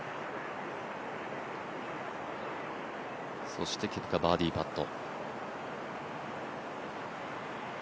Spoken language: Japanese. そしてケプカバーディーパット。